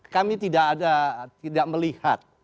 kami tidak ada tidak melihat